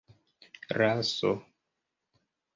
raso